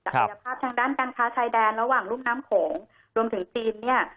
กายภาพทางด้านการค้าชายแดนระหว่างรุ่นน้ำโขงรวมถึงจีนเนี่ย